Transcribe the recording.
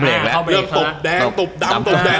เรื่องตบแดงตบดำ